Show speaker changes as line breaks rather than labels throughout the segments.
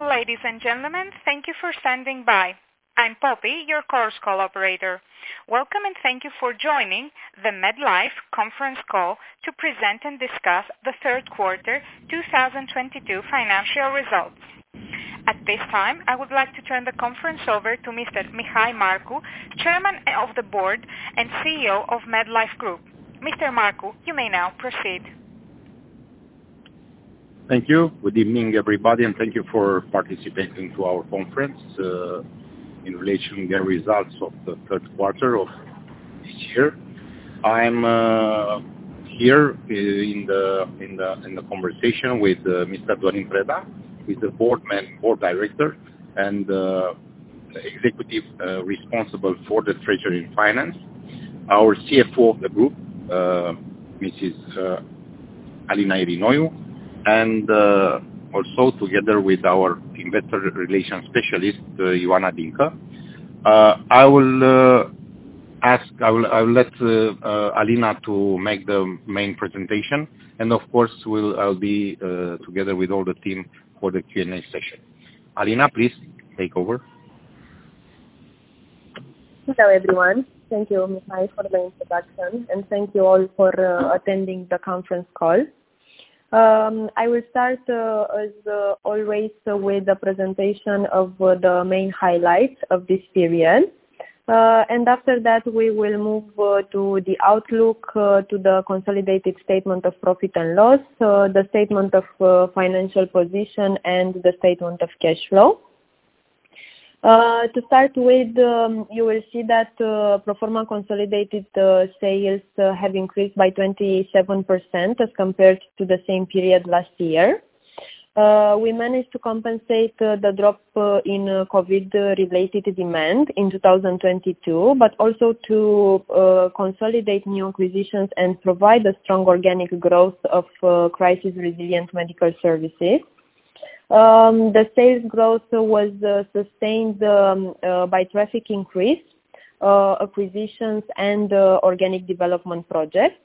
Ladies and gentlemen, thank you for standing by. I'm Poppy, your course call operator. Welcome, and thank you for joining the MedLife conference call to present and discuss the third quarter 2022 financial results. At this time, I would like to turn the conference over to Mr. Mihail Marcu, Chairman of the Board and CEO of MedLife Group. Mr. Marcu, you may now proceed.
Thank you. Good evening, everybody, and thank you for participating in our conference in relation to the results of the third quarter of this year. I'm here in the conversation with Mr. Dorin Preda. He's a Board Director and Executive Responsible for the Treasury and Finance. Our CFO of the group, Mrs. Alina Irinoiu, and also together with our Investor Relations Specialist, Ioana Birsu. I will let Alina to make the main presentation and of course I'll be together with all the team for the Q&A session. Alina, please take over.
Hello, everyone. Thank you, Mihai, for the introduction, and thank you all for attending the conference call. I will start as always with the presentation of the main highlights of this period. After that, we will move to the outlook to the consolidated statement of profit and loss, so the statement of financial position and the statement of cash flow. To start with, you will see that pro forma consolidated sales have increased by 27% as compared to the same period last year. We managed to compensate the drop in COVID-related demand in 2022, but also to consolidate new acquisitions and provide a strong organic growth of crisis resilient medical services. The sales growth was sustained by traffic increase, acquisitions and organic development projects.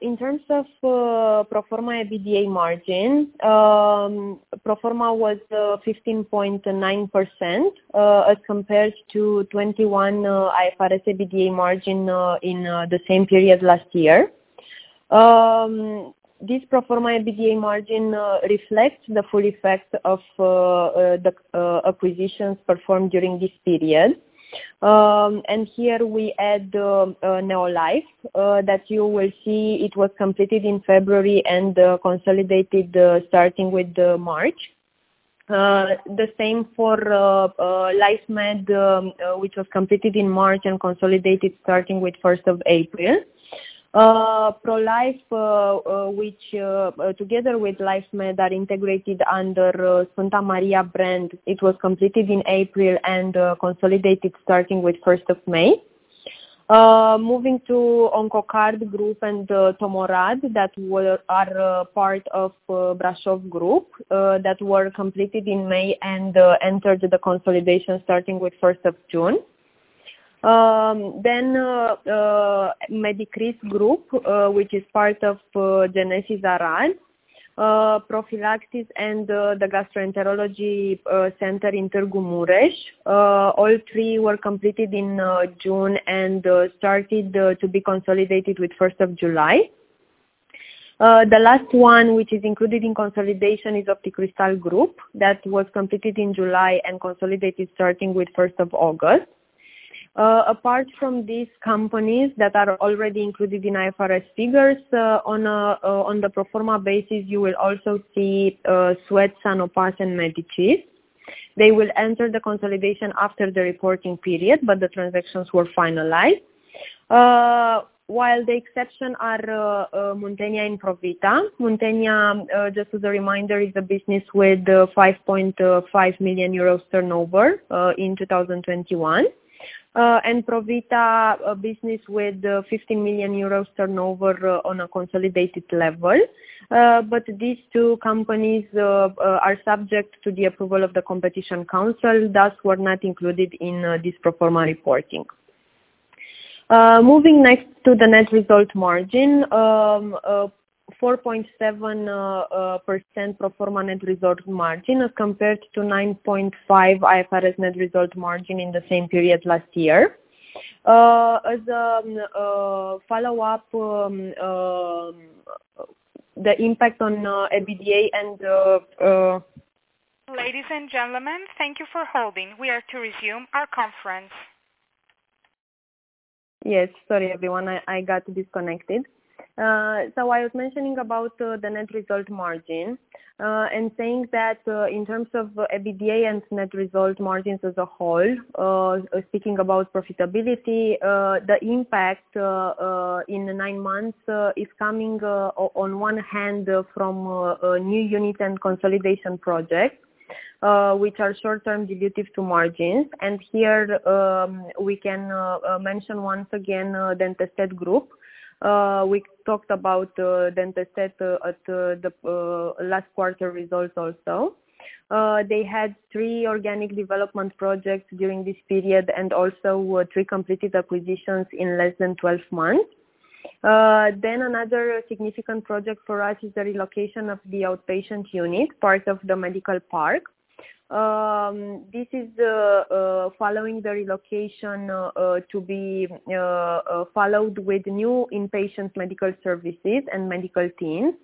In terms of pro forma EBITDA margin, pro forma was 15.9% as compared to 21% IFRS EBITDA margin in the same period last year. This pro forma EBITDA margin reflects the full effect of the acquisitions performed during this period. Here we add NeoLife that you will see it was completed in February and consolidated starting with March. The same for Life Med which was completed in March and consolidated starting with first of April. Pro Life which together with Life Med are integrated under Sfânta Maria brand. It was completed in April and consolidated starting with first of May. Moving to OncoCard Group and Tomorad that are part of Brașov Group that were completed in May and entered the consolidation starting with first of June. Medicris Group, which is part of Genesys Arad, Profilaxis and the gastroenterology center in Târgu Mureș. All three were completed in June and started to be consolidated with first of July. The last one, which is included in consolidation is Opticristal Group, that was completed in July and consolidated starting with first of August. Apart from these companies that are already included in IFRS figures uh on the pro forma basis you will also see uh Sweat and Medici. They will enter the consolidation after the reporting period, but the transactions were finalized. While the exceptions are Muntenia and Provita. Muntenia, just as a reminder, is a business with 5.5 million euros turnover in 2021 and Provita a business with 50 million euros turnover on a consolidated level. These two companies are subject to the approval of the Competition Council, thus were not included in this pro forma reporting. Moving next to the net result margin um uh 4.7% uh uh pro forma net result margin as compared to 9.5% IFRS net result margin in the same period last year. As a uh follow-up um uh the impact on EBITDA and
Ladies and gentlemen, thank you for holding. We are to resume our conference.
Yes. Sorry, everyone. I got disconnected. I was mentioning about the net result margin and saying that in terms of EBITDA and net result margins as a whole, speaking about profitability, the impact in the 9 months is coming on one hand from a new unit and consolidation projects, which are short-term dilutive to margins. Here, we can mention once again DENT ESTET Group. We talked about DENT ESTET at the last quarter results also. They had three organic development projects during this period and also three completed acquisitions in less than 12 months. Another significant project for us is the relocation of the outpatient unit, part of the Medical Park. This is following the relocation, to be followed with new inpatient medical services and medical teams,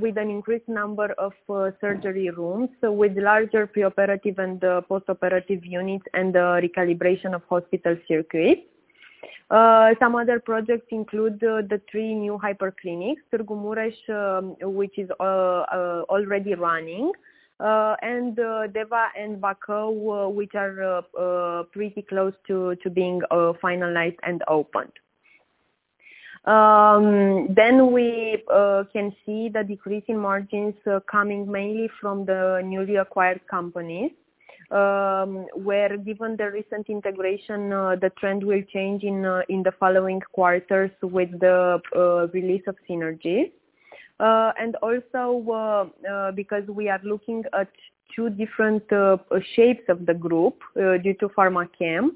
with an increased number of surgery rooms, with larger preoperative and post-operative units and uh recalibration of hospital circuits. Some other projects include the three new hyper clinics, Târgu Mureș, which is uh already running uh and Deva and Bacău, which are uh pretty close to being finalized and opened. Uhm then we can see the decrease in margins coming mainly from the newly acquired companies uhm where given the recent integration, the trend will change in the following quarters with the uh release of synergies uh and also because we are looking at two different shapes of the group due to Pharmachem.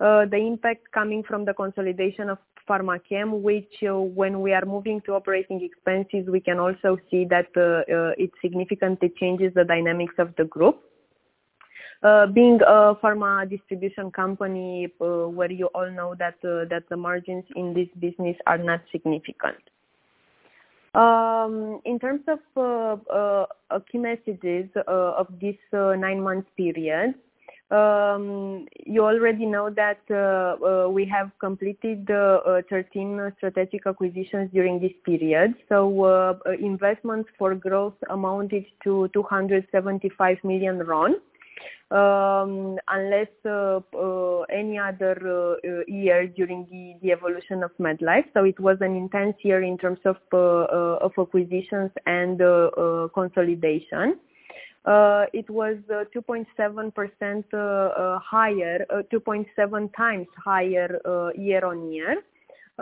The impact coming from the consolidation of Pharmachem, which when we are moving to operating expenses, we can also see that it significantly changes the dynamics of the group, being a pharma distribution company where you all know that the margins in this business are not significant. In terms of uh key messages of this nine-month period you already know that uh we have completed 13 strategic acquisitions during this period. Investment for growth amounted to 275 million RON unlike any other year during the evolution of MedLife so it was an intense year in terms of acquisitions and consolidation. It was 2.7 times higher year-on-year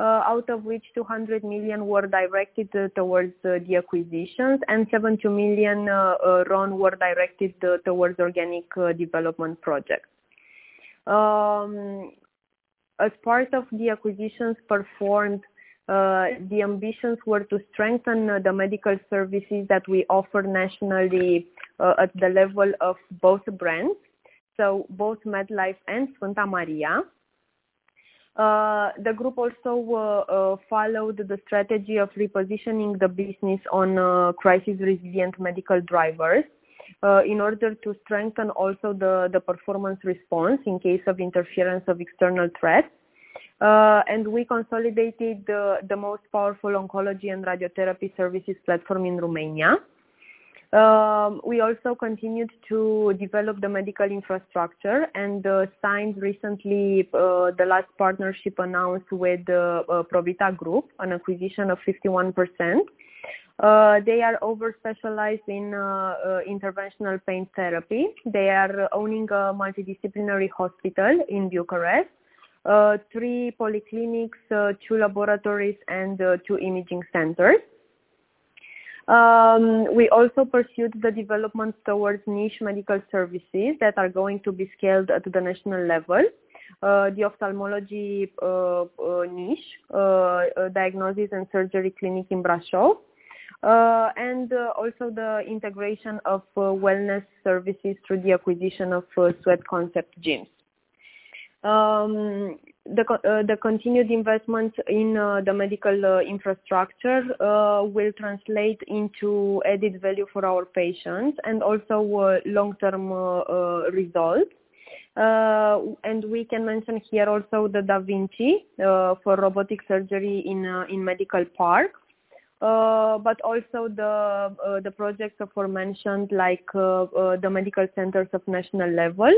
out of which 200 million RON were directed towards the acquisitions, and 72 million RON were directed towards organic development projects. As part of the acquisitions performed uh the ambitions were to strengthen the medical services that we offer nationally at the level of both brands so both MedLife and Sfânta Maria. The group also followed the strategy of repositioning the business on crisis-resilient medical drivers, in order to strengthen also the performance response in case of interference of external threats. We consolidated the most powerful oncology and radiotherapy services platform in Romania. We also continued to develop the medical infrastructure and signed recently the last partnership announced with Provita Group on acquisition of 51%. They are overspecialized in interventional pain therapy, they are owning a multidisciplinary hospital in Bucharest, three polyclinics, two laboratories and two imaging centers. We also pursued the development towards niche medical services that are going to be scaled at the national level the ophthalmology niche diagnosis and surgery clinic in Brașov and also the integration of wellness services through the acquisition of Sweat Concept gyms. The continued investment in the medical infrastructure will translate into added value for our patients and also long-term results. We can mention here also the da Vinci for robotic surgery in MedLife Medical Park, but also the projects aforementioned, like the medical centers of national level,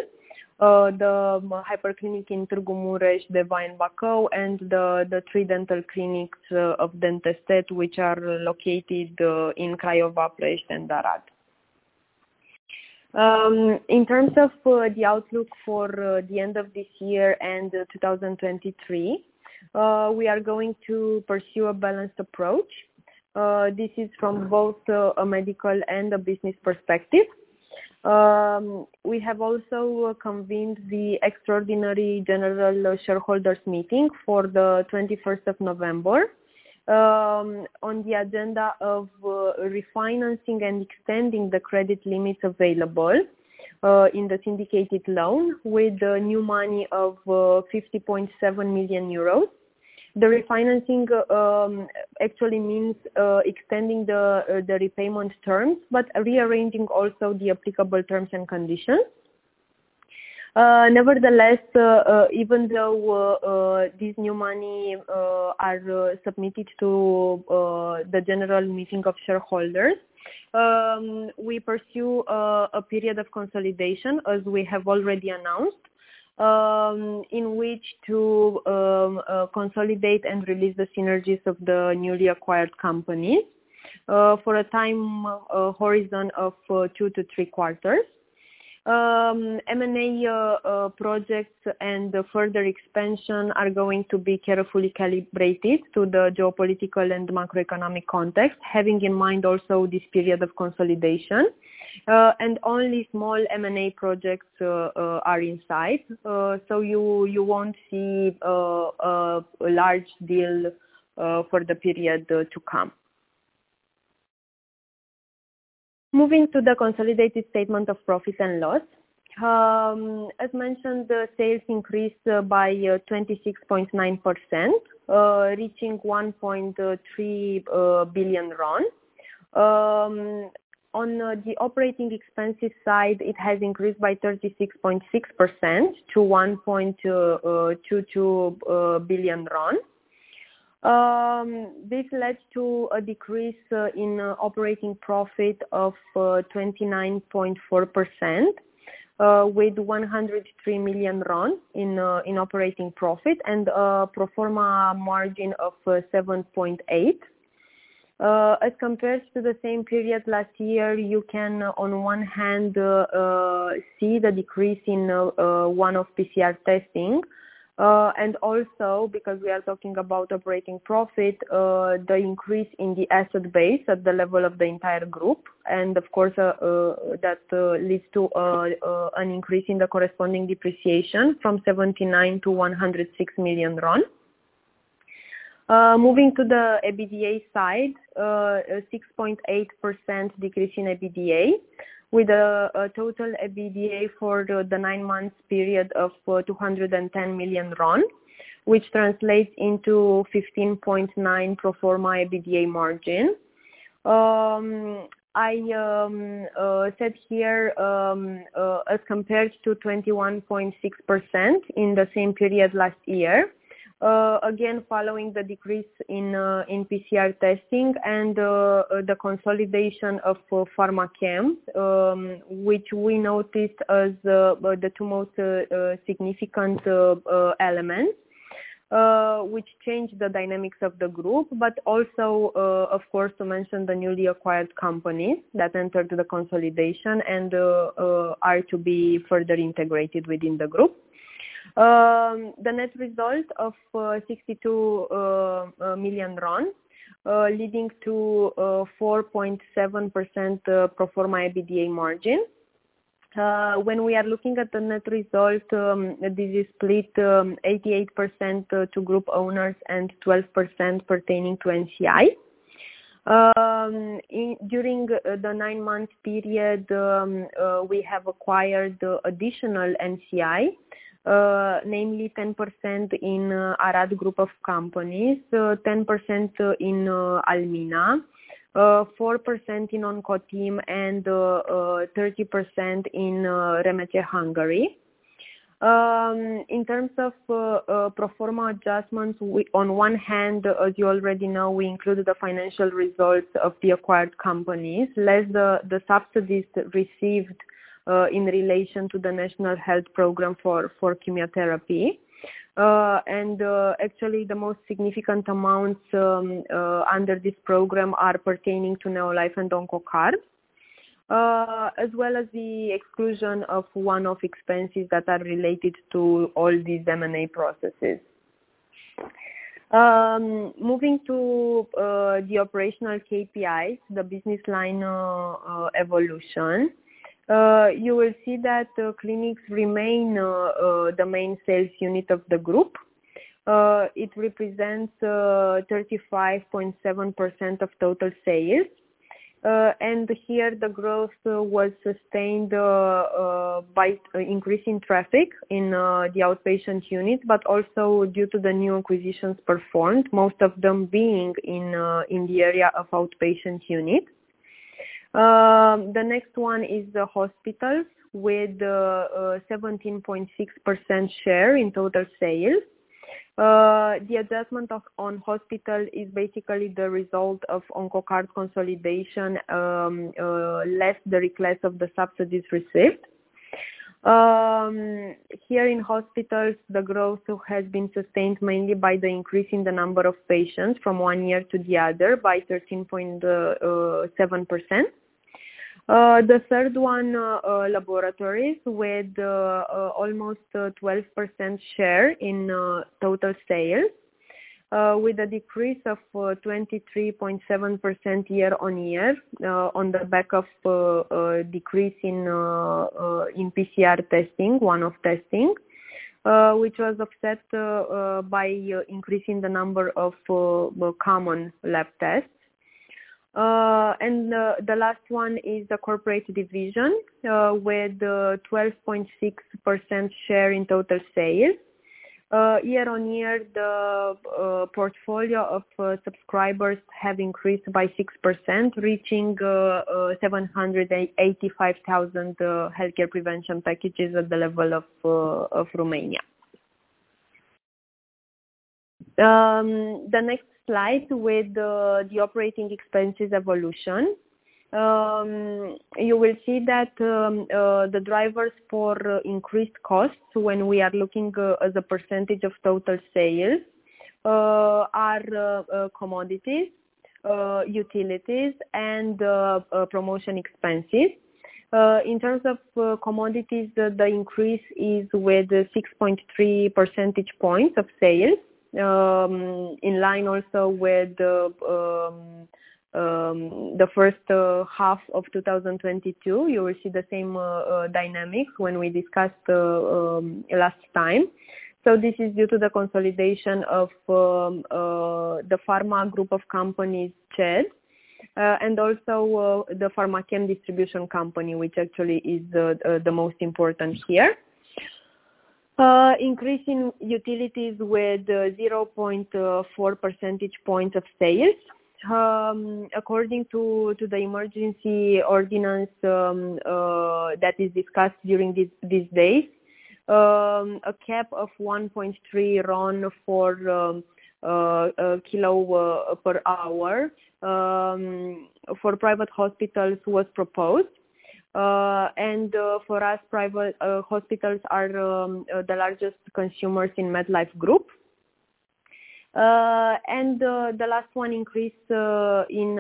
the hyper clinic in Târgu Mureș, Deva and Bacău, and the three dental clinics of DENT ESTET, which are located in Craiova, Brașov and Arad. In terms of the outlook for the end of this year and 2023, we are going to pursue a balanced approach. This is from both a medical and a business perspective. We have also convened the extraordinary general shareholders meeting for the 21st of November uhm on the agenda of refinancing and extending the credit limits available in the syndicated loan with the new money of 50.7 million euros. The refinancing actually means extending the repayment terms, but rearranging also the applicable terms and conditions. Nevertheless, even though this new money are submitted to the general meeting of shareholders, we pursue a period of consolidation, as we have already announced, in which to consolidate and release the synergies of the newly acquired companies for a time horizon of 2-3 quarters. M&A projects and the further expansion are going to be carefully calibrated to the geopolitical and macroeconomic context, having in mind also this period of consolidation. Only small M&A projects are in sight. You won't see a large deal for the period to come. Moving to the consolidated statement of profit and loss. As mentioned, sales increased by 26.9%, reaching 1.3 billion RON. On the operating expenses side, it increased by 36.6% to 1.22 billion RON. This led to a decrease in operating profit of 29.4%, with 103 million RON in operating profit and a pro forma margin of 7.8%. As compared to the same period last year, you can, on one hand, see the decrease in one-off PCR testing. Also, because we are talking about operating profit, the increase in the asset base at the level of the entire group and of course, that leads to an increase in the corresponding depreciation from 79 million RON to 106 million RON . Moving to the EBITDA side, 6.8% decrease in EBITDA with a total EBITDA for the nine months period of 210 million RON which translates into 15.9% pro forma EBITDA margin. I said here as compared to 21.6% in the same period last year. Again following the decrease in PCR testing and the consolidation of Pharmachem, which we noticed as the two most significant elements which changed the dynamics of the group, but also of course to mention the newly acquired companies that entered the consolidation and are to be further integrated within the group. The net result of 62 million RON leading to 4.7% pro forma EBITDA margin. When we are looking at the net result, this is split 88% to group owners and 12% pertaining to NCI. During the nine months period, we have acquired additional NCI, namely 10% in Arad group of companies, 10% in Almina, 4% in Onco Team and 30% in Remedia Hungary. In terms of pro forma adjustments we on one hand as you already know, we included the financial results of the acquired companies, less the subsidies received in relation to the National Health Program for chemotherapy and actually the most significant amounts under this program are pertaining to NeoLife and OncoCard, as well as the exclusion of one-off expenses that are related to all these M&A processes. Moving to the operational KPIs, the business line evolution you will see that clinics remain the main sales unit of the group. It represents 35.7% of total sales. Here the growth was sustained by increasing traffic in the outpatient unit but also due to the new acquisitions performed most of them being in the area of outpatient unit. The next one is the hospitals with 17.6% share in total sales. The adjustment of one hospital is basically the result of OncoCard consolidation uh less the receipts of the subsidies received. Here in hospitals, the growth has been sustained mainly by the increase in the number of patients from one year to the other by 13.7%. The third one, laboratories with almost 12% share in total sales, with a decrease of 23.7% year-on-year, on the back of a decrease in PCR testing, one-off testing which was offset by increasing the number of common lab tests. The last one is the corporate division with 12.6% share in total sales. Year-on-year the portfolio of subscribers have increased by 6%, reaching 785,000 healthcare prevention packages at the level of Romania. The next slide with the operating expenses evolution. You will see that the drivers for increased costs when we are looking at the percentage of total sales are commodities, utilities and promotion expenses. In terms of commodities, the increase is with 6.3 percentage points of sales in line also with the first half of 2022. You will see the same dynamics when we discussed last time. This is due to the consolidation of the Pharma Group of Companies, CHED and also the Pharmachem distribution company, which actually is the most important here. Increase in utilities with 0.4 percentage points of sales. According to the emergency ordinance that is discussed during these days. A cap of 1.3 RON per kWh for private hospitals was proposed and for us, private hospitals are the largest consumers in MedLife Group. The last one increased in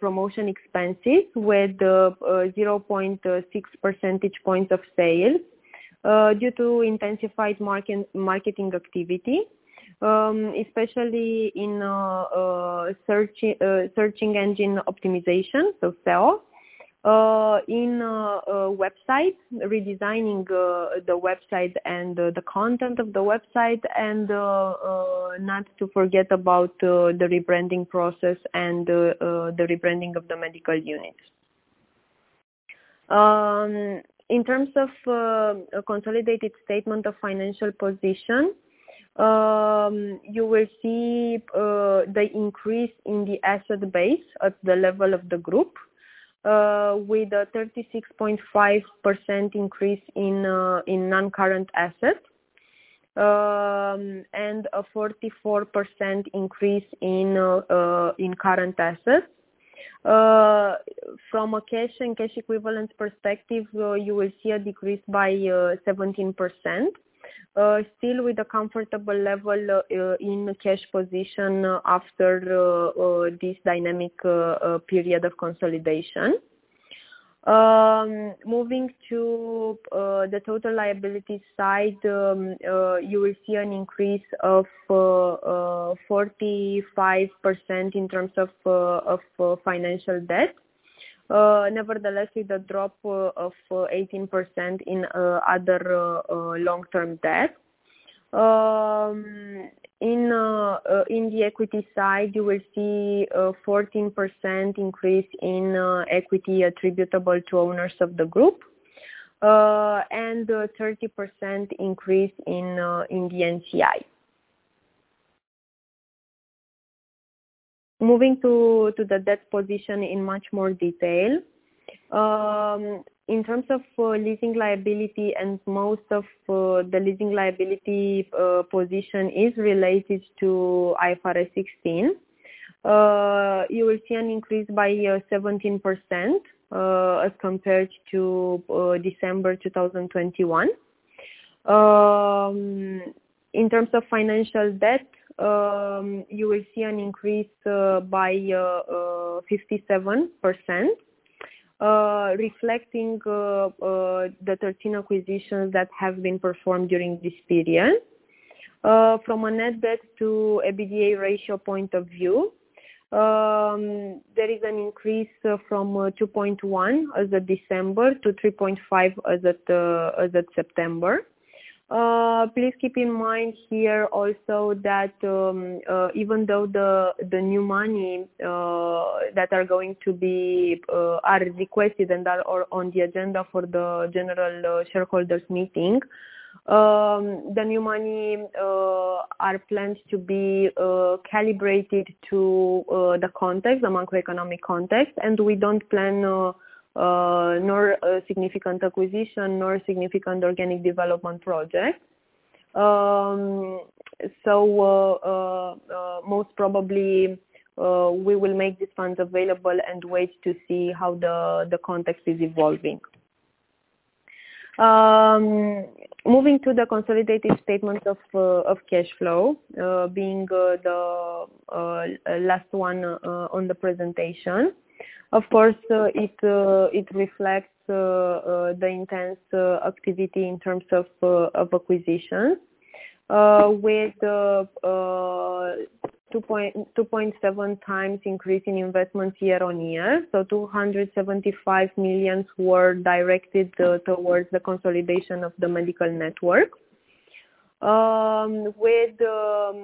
promotion expenses with 0.6 percentage points of sales due to intensified marketing activity especially in search engine optimization so SEO. In website redesigning the website and the content of the website and not to forget about the rebranding process and the rebranding of the medical units. In terms of a consolidated statement of financial position, you will see the increase in the asset base at the level of the group, with a 36.5% increase in non-current assets and a 44% increase in current assets. From a cash and cash equivalents perspective you will see a decrease by 17% still with a comfortable level in cash position after this dynamic period of consolidation. Moving to the total liability side you will see an increase of 45% in terms of financial debt. Nevertheless, with a drop of 18% in other long-term debt. In the equity side, you will see a 14% increase in equity attributable to owners of the group, and a 30% increase in the NCI. Moving to the debt position in much more detail in terms of leasing liability, and most of the leasing liability position is related to IFRS 16 you will see an increase by 17% as compared to December 2021. In terms of financial debt, you will see an increase by 57%, reflecting the 13 acquisitions that have been performed during this period. From a net debt to EBITDA ratio point of view there is an increase from 2.1 as at December to 3.5 as at September. Please keep in mind here also that even though the new money that are going to be are requested and are on the agenda for the general shareholders meeting the new money are planned to be calibrated to the context the macroeconomic context and we don't plan nor a significant acquisition nor a significant organic development project. Most probably, we will make these funds available and wait to see how the context is evolving. Moving to the consolidated statement of cash flow, being the last one on the presentation. Of course, it reflects the intense activity in terms of acquisition with 2.7 times increase in investment year-on-year. 275 million RON were directed towards the consolidation of the medical network. With a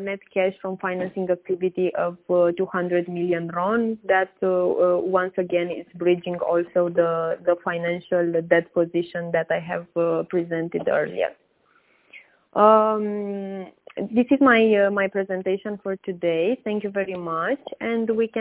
net cash from financing activity of 200 million RON that once again is bridging also the financial debt position that I have presented earlier. This is my presentation for today. Thank you very much. We can